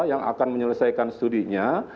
yang akan menyelesaikan studinya